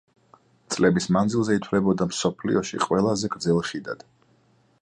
წლების მანძილზე ითვლებოდა მსოფლიოში ყველაზე გრძელ ხიდად.